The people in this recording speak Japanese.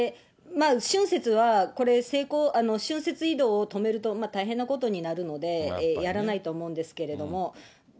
春節はこれ、春節移動を止めると大変なことになるので、やらないと思うんですけれども。